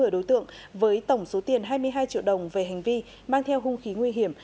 một mươi đối tượng với tổng số tiền hai mươi hai triệu đồng về hành vi mang theo hung khí nguy hiểm